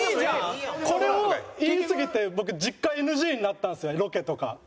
これを言いすぎて僕実家ＮＧになったんですよロケとか。